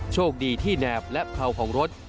โชคดีที่แนบและเผาของรถ